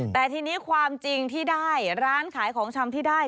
แต่ทีนี้ความจริงที่ได้ร้านขายของชำที่ได้